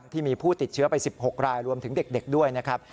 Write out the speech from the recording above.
ผู้ติดเชื้อไป๑๖รายรวมถึงเด็กด้วยนะครับ